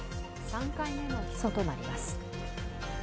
３回目の起訴となります。